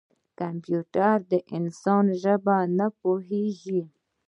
کمپیوټر د انسان ژبه نه پوهېږي.